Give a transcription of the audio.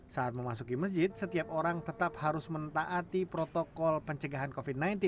saat memasuki masjid setiap orang tetap harus mentaati protokol pencegahan covid sembilan belas